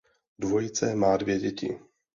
Dvojice má dvě děti.